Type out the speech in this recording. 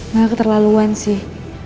mel keterlaluan sih